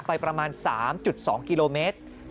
ไปประมาณ๓๒กิโลเมตร